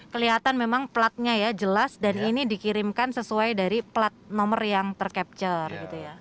kelihatan memang platnya jelas dan ini dikirimkan sesuai dari plat nomor yang tercapture